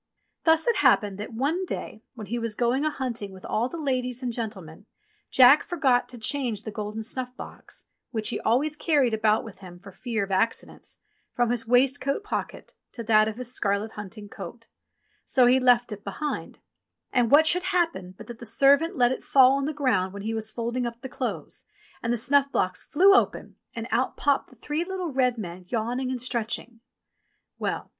Thus it happened that one day when he was going a hunt ing with all the ladies and gentlemen, Jack forgot to change the golden snufi^ box (which he always carried about with him for fear of accidents) from his waistcoat pocket to that of his scarlet hunting coat ; so he left it behind him. And what should happen but that the servant let it fall on the ground when he was folding up the clothes, and the snuff box flew open and out popped the three little red men yawn ing and stretching. Well